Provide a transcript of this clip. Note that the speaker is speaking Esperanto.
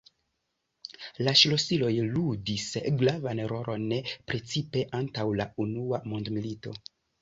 La ŝlosiloj ludis gravan rolon precipe antaŭ la unua mondmilito.